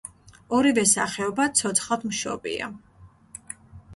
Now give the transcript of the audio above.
ორივე სახეობა ცოცხლადმშობია.